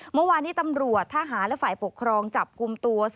เมื่อวานนี้ตำรวจทหารและฝ่ายปกครองจับกลุ่มตัว